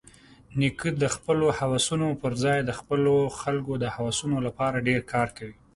نیکه د خپلو هوسونو پرځای د خپلو خلکو د هوسونو لپاره ډېر کار کوي.